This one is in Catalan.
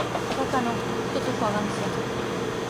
Fa que no, tot ofegant-se.